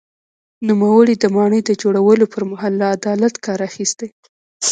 نوموړي د ماڼۍ د جوړولو پر مهال له عدالت کار اخیستی.